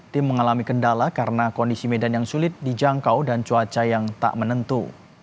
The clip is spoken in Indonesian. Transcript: tim mengalami kendala karena kondisi medan yang sulit dijangkau dan cuaca yang tak menentu